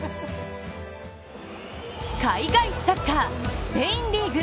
海外サッカー、スペインリーグ。